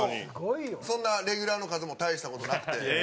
そんな、レギュラーの数も大した事なくて。